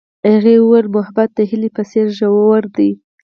هغې وویل محبت یې د هیلې په څېر ژور دی.